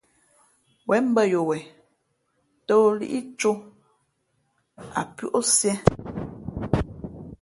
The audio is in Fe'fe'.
Wěn mbᾱ yo wen tᾱ o lí cō ǎ pʉ̄ ǒ siē mbə̌ mō.